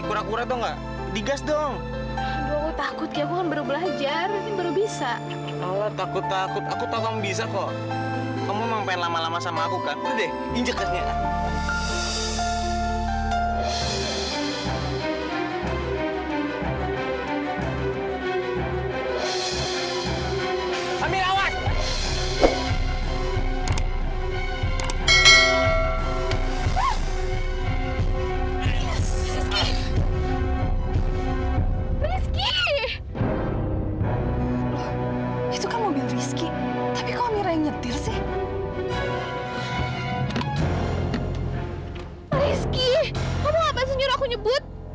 kamu ngapain sih nyuruh aku nyebut